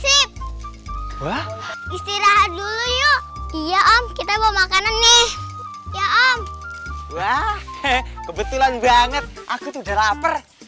sip istirahat dulu yuk iya om kita mau makanan nih ya om wah kebetulan banget aku sudah lapar